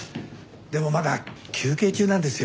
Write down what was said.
でもまだ休憩中なんですよ。